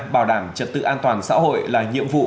bảo đảm trật tự an toàn xã hội là nhiệm vụ